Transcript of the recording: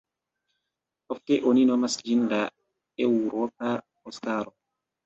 Ofte oni nomas ĝin la "eŭropa Oskaro".